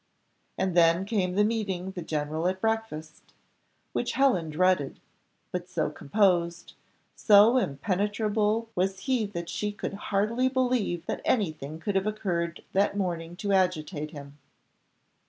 And then came the meeting the general at breakfast, which Helen dreaded; but so composed, so impenetrable was he that she could hardly believe that anything could have occurred that morning to agitate him.